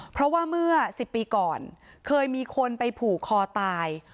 เพราะว่าเมื่อ๑๐ปีก่อนเคยมีคนไปผูกคอตาย